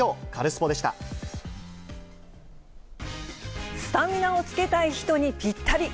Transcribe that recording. スタミナをつけたい人にぴったり。